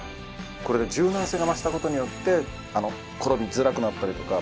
これで柔軟性が増した事によって転びづらくなったりとか。